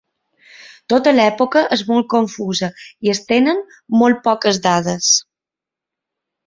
Tota l'època és molt confusa i es tenen molt poques dades.